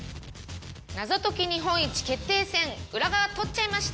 『謎解き日本一決定戦裏側、撮っちゃいました！』。